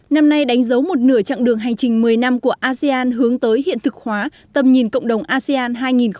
năm nay đánh dấu một nửa chặng đường hành trình một mươi năm của asean hướng tới hiện thực hóa tầm nhìn cộng đồng asean hai nghìn hai mươi năm